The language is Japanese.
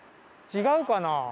違うかな？